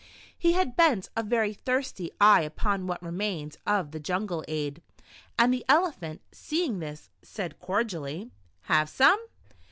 He had bent a very thirsty eye upon what remained of the jungle ade, and the Elephant, seeing this, said cordially :" Have some